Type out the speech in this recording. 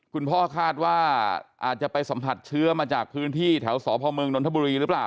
คุณพ่อคาดว่าอาจจะไปสัมผัสเชื้อมาจากพื้นที่แถวสพเมืองนนทบุรีหรือเปล่า